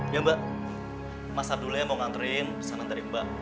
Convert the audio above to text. ya mbak mas abdullah mau ngantriin pesanan dari mbak